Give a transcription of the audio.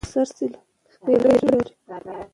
که پېیر کوري د نوې ماده اندازه ونه کړي، پایله ناقصه وي.